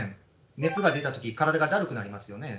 熱が出たとき体がだるくなりますよね。